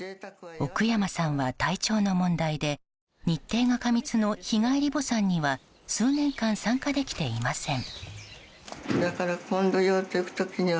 奥山さんは体調の問題で日程が過密の日帰り墓参には数年間、参加できていません。